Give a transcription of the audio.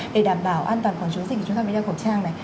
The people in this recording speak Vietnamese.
để đảm bảo an toàn phòng chống dịch thì chúng ta phải đeo khẩu trang này